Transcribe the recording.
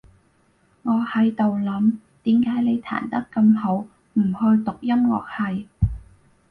我喺度諗，點解你彈得咁好，唔去讀音樂系？